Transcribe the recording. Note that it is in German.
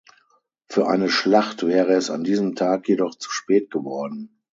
Für eine Schlacht wäre es an diesem Tag jedoch zu spät geworden.